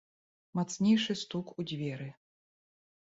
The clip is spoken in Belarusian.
Мацнейшы стук у дзверы.